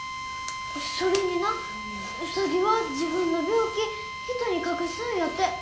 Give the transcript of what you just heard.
それになウサギは自分の病気人に隠すんやて。